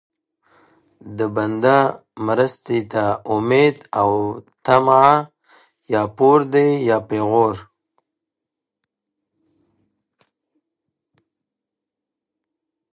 د بنده مرستې ته امید او طمع یا پور دی یا پېغور دی